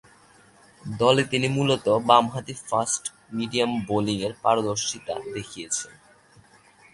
দলে তিনি মূলতঃ বামহাতি ফাস্ট-মিডিয়াম বোলিংয়ে পারদর্শীতা দেখিয়েছেন।